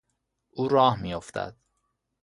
او راه میافتد.